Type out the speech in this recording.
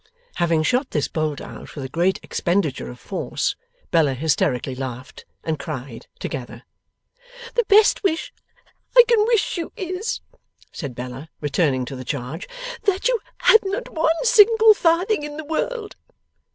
Having shot this bolt out with a great expenditure of force, Bella hysterically laughed and cried together. 'The best wish I can wish you is,' said Bella, returning to the charge, 'that you had not one single farthing in the world.